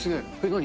何？